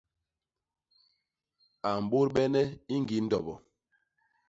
A mbôdbene i ñgii ndobo.